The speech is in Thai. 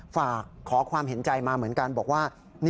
ฝากขอความเห็นใจมาเหมือนกันบอกว่า